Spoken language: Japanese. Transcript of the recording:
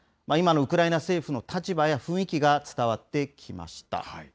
今のウクライナ政府の立場や雰囲気が伝わってきました。